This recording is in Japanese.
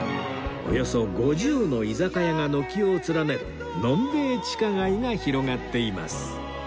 およそ５０の居酒屋が軒を連ねる飲んべえ地下街が広がっています